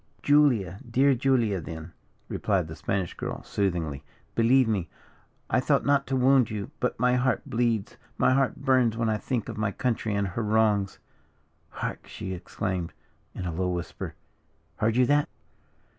"Julia dear Julia, then," replied the Spanish girl, soothingly; "believe me, I thought not to wound you, but my heart bleeds, my heart burns when I think of my country and her wrongs. Hark!" she exclaimed in a low whisper, "heard you that?"